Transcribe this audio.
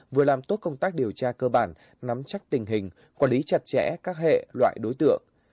vừa làm tốt công tác điều tra cơ bản nắm chắc tình hình quản lý chặt chẽ các hệ loại đối tượng